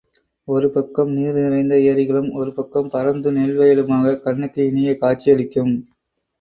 ஒரு பக்கம் நீர் நிறைந்த ஏரிகளும், ஒரு பக்கம் பரந்த நெல்வயல்களுமாக கண்ணுக்கு இனிய காட்சி அளிக்கும்.